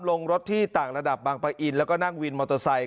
ลงรถที่ต่างระดับบางปะอินแล้วก็นั่งวินมอเตอร์ไซค